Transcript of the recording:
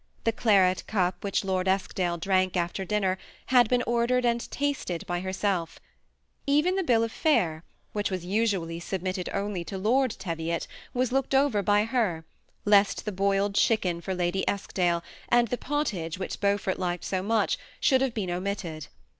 The claret cup which liord Eskdale drank after dinner had been ordered and tasted by herself; even the bill of fare, which was usu ally submitted only to Lord Teviot, was looked over by her, lest the boiled chicken for Lady Eskdale, and the pottage which Beaufort liked so much, should have been omitted.